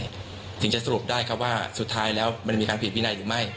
ถึงจะสรุปได้ครับว่าสุดท้ายแล้วมันมีการผิดวินัยหรือไม่